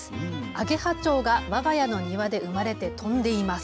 アゲハチョウがわが家の庭で生まれて飛んでいます。